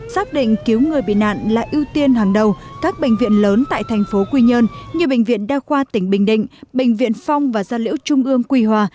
xác định cứu người bị nạn là ưu tiên hàng đầu các bệnh viện lớn tại thành phố quy nhơn như bệnh viện đa khoa tỉnh bình định bệnh viện phong và gia liễu trung ương quy hòa